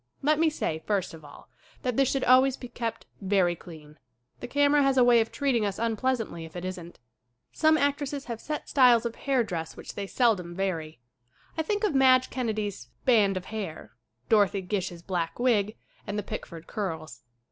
Let me say, first of all, that this should always be kept very clean. The camera has a way of treating us unpleasantly if it isn't. Some actresses have set styles of hair dress which they seldom vary. I think of Madge Kennedy's "band of hair," Dorothy Gish's black wig and the Pickford Curls.